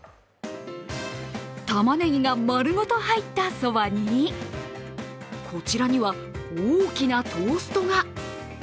たまねぎが丸ごと入ったそばに、こちらには、大きなトーストが。